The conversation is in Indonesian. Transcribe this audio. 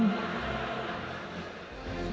bapak ma'ruf amin